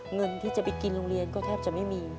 เงินที่จะไปกินโรงเรียนก็แทบจะไม่มี